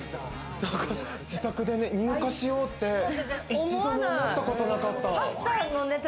自宅で乳化しようって一度も思ったことなかった。